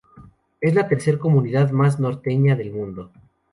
Es la tercer comunidad más norteña del mundo.